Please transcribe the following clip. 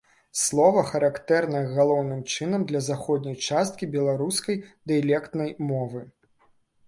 Слова характэрнае галоўным чынам для заходняй часткі беларускай дыялектнай мовы.